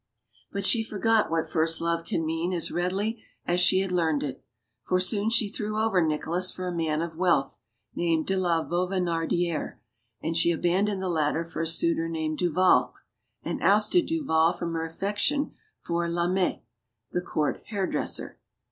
But she forgot what "first love can mean" as readily as she had learned it. For soon she threw over Nicolas for a man of wealth, named De la Vauvenardiere ; and she abandoned the latter for a suitor named Duval; and ousted Duval from her affection for Lamet, the court hairdresser.